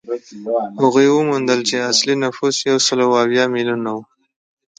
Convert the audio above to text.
هغوی وموندل چې اصلي نفوس یو سل یو اویا میلیونه وو.